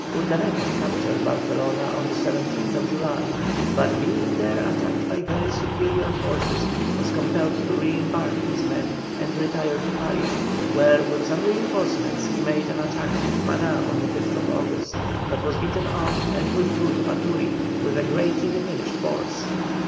Urdaneta captured Barcelona on the 17th July, but being there attacked by very superior forces was compelled to re embark his men and retire to Paria, where with some reinforcements he made an attack on Cumaná on the 5th August, but was beaten off and withdrew to Maturín, with a greatly diminished force.